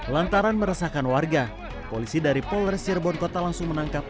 lantaran meresahkan warga polisi dari polres cirebon kota langsung menangkap